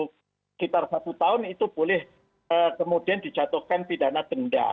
sekitar satu tahun itu boleh kemudian dijatuhkan pidana denda